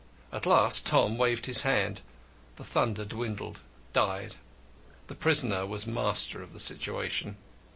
At last Tom waved his hand the thunder dwindled, died. The prisoner was master of the situation.